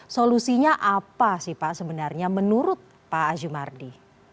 solusinya apa sih pak sebenarnya menurut pak ajumardi